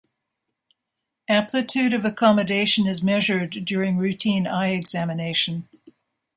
Amplitude of accommodation is measured during routine eye-examination.